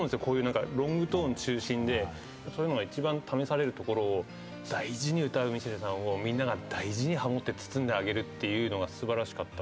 そういうのが一番試されるところを大事に歌うみしぇるさんをみんなが大事にハモって包んであげるっていうのが素晴らしかったと思う。